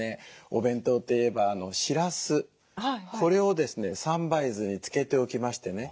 お弁当といえばしらすこれをですね３杯酢に漬けておきましてね